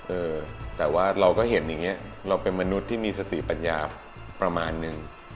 เออแต่ว่าเราก็เห็นอย่างนี้เราเป็นมนุษย์ที่มีสติปัญญาประมาณนึง